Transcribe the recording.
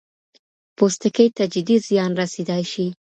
پوستکي ته جدي زیان رسېدای شي.